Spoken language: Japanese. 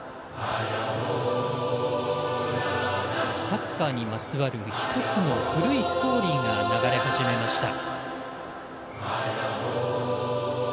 サッカーにまつわる１つの古いストーリーが流れ始めました。